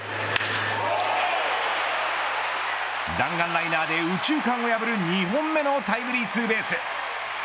弾丸ライナーで右中間を破る２本目のタイムリーツーベース。